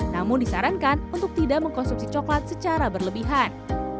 namun disarankan untuk tidak mengkonsumsi coklat secara berlebihan